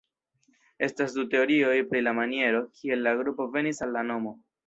Estas du teorioj pri la maniero, kiel la grupo venis al la nomo.